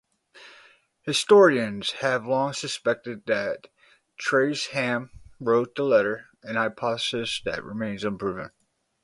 Historians have long suspected that Tresham wrote the letter, a hypothesis that remains unproven.